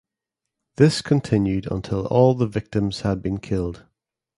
This continued until all the victims had been killed.